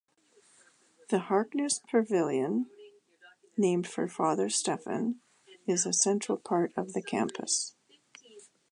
The Harkness Pavilion, named for father Stephen, is a central part of the campus.